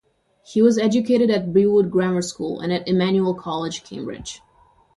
He was educated at Brewood Grammar School and at Emmanuel College, Cambridge.